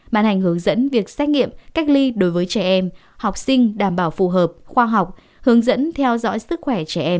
bàn hành hướng dẫn việc xét nghiệm cách ly đối với trẻ em học sinh đảm bảo phù hợp khoa học hướng dẫn theo dõi sức khỏe trẻ em